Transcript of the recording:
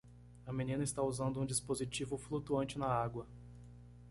A menina está usando um dispositivo flutuante na água.